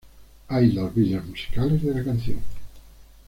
Hay dos vídeos musicales de la canción.